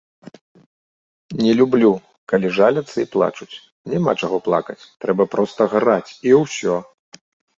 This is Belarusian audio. Не люблю, калі жаляцца і плачуць, няма чаго плакаць, трэба проста граць, і ўсё!